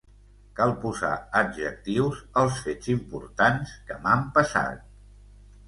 Cal posar adjectius als fets importants que m'han passat.